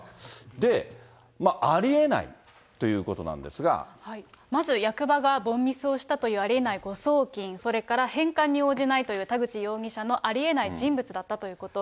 で、ありえないということなんでまず、役場が凡ミスをしたというありえない誤送金、それから返還に応じないという田口容疑者のありえない人物だったということ。